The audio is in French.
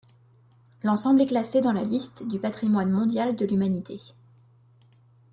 L'ensemble est classé dans la liste du patrimoine mondial de l'humanité.